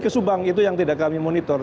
ke subang itu yang tidak kami monitor